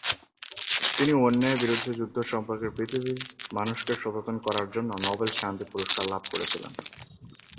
তিনি অন্যায়ের বিরুদ্ধে যুদ্ধ সম্পর্কে পৃথিবীর মানুষকে সচেতন করার জন্য নোবেল শান্তি পুরস্কার লাভ করেছিলেন।